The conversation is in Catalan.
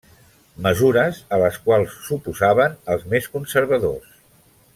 Mesures a les quals s'oposaven els més conservadors.